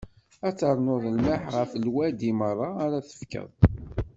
Ad ternuḍ lmelḥ ɣef lewɛadi meṛṛa ara tefkeḍ.